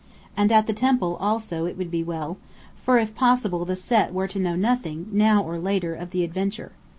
And at the temple also it would be well, for if possible the Set were to know nothing, now or later, of the adventure.